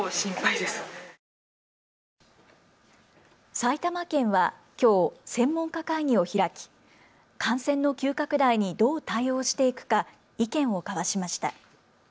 埼玉県はきょう、専門家会議を開き感染の急拡大にどう対応していくか意見を交わしました。